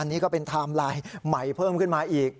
อันนี้ก็เป็นไทม์ไลน์ใหม่เพิ่มขึ้นมาอีก